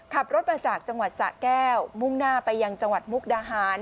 ขับรถมาจากจังหวัดสะแก้วมุ่งหน้าไปยังจังหวัดมุกดาหาร